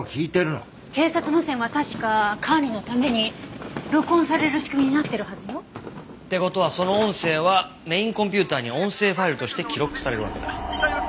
警察無線は確か管理のために録音される仕組みになってるはずよ。って事はその音声はメインコンピューターに音声ファイルとして記録されるわけだ。